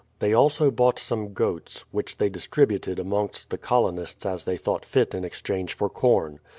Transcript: They also bought 172 BRADFORD'S HISTORY OF some goats, which they distributed amongst the colonists as they thought fit in exchange for corn.